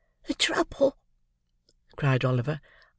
"The trouble!" cried Oliver.